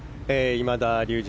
今田竜二